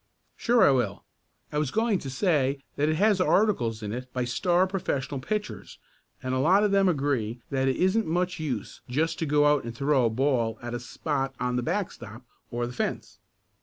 "Sure I will. I was going to say that it has articles in it by star professional pitchers and a lot of them agree that it isn't much use just to go out and throw a ball at a spot on the backstop or the fence."